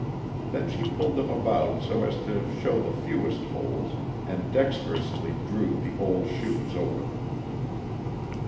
Then she pulled them about so as to show the fewest holes, and dexterously drew the old shoes over them.